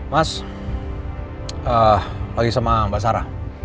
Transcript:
mas lagi sama mbak sarah